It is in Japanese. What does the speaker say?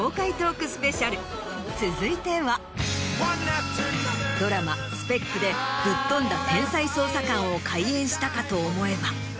続いてはドラマ『ＳＰＥＣ』でぶっ飛んだ天才捜査官を怪演したかと思えば。